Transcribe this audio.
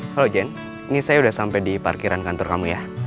halo jane ini saya sudah sampai di parkiran kantor kamu ya